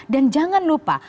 dan jangan lupa